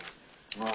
あ？